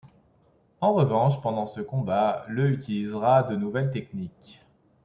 En revanche, pendant ce combat, le utilisera de nouvelles techniques.